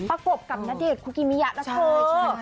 ประกบกับณเดชน์คุกิมิยะนะเถอะ